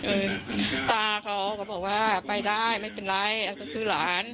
ตาเขาก็บอกว่าไปได้ไม่เป็นไรก็คือหลาน